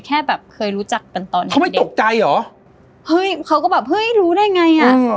แค่แบบเคยรู้จักกันตอนนี้เขาไม่ตกใจเหรอเฮ้ยเขาก็แบบเฮ้ยรู้ได้ไงอ่ะ